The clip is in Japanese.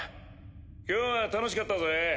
今日は楽しかったぜ。